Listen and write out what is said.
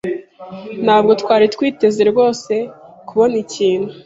Ntabwo twari twiteze rwose kubona ikintu.